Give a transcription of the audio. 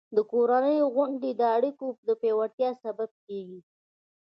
د کورنۍ غونډې د اړیکو د پیاوړتیا سبب کېږي.